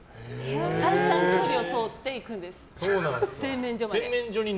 最短距離を通って行くんです。